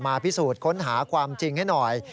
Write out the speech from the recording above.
พิสูจน์ค้นหาความจริงให้หน่อย